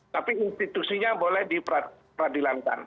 tapi institusinya boleh diperadilankan